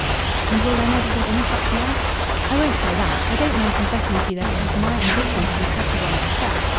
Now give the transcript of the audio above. "And will there never be any such men?" "I won't say that. I don't mind confessing to you that it is my ambition to be such a one myself.